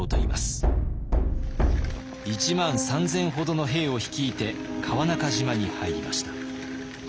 １万３，０００ほどの兵を率いて川中島に入りました。